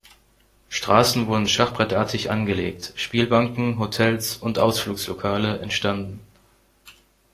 Straßen wurden schachbrettartig angelegt, Spielbanken, Hotels und Ausflugslokale entstanden.